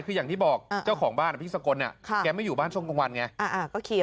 คืออย่างที่บอกเจ้าของบ้านพี่สกลแกไม่อยู่บ้านช่วงกลางวันไง